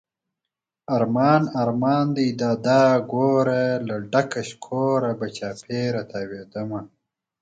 ټپه ده: ارمان ارمان دې دادا کوره، له ډکه شکوره به چاپېره تاوېدمه